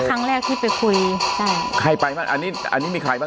ครั้งแรกที่ไปคุยใช่ใครไปบ้างอันนี้อันนี้มีใครบ้าง